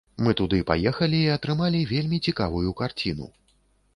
Мы туды паехалі і атрымалі вельмі цікавую карціну.